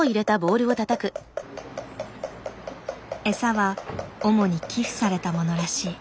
エサは主に寄付されたものらしい。